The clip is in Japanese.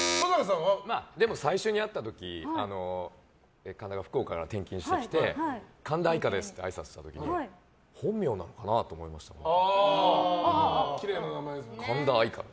でも、最初に会った時神田が福岡から転勤してきて神田愛花ですってあいさつした時にきれいな名前ですよね。